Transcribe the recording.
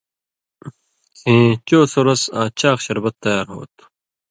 کھیں چو سُرسوۡ آں چاق شربت تیار ہوتُھو